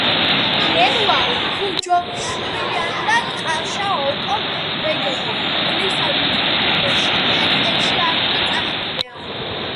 გერუა ქუგოშქურუნიადა ტყაშა ოკო ვედევა."მგლისა თუ გეშინიაო ტყეში არ უნდა წახვიდეო.